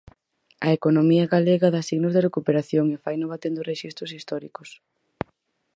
A economía galega dá signos de recuperación, e faino batendo rexistros históricos.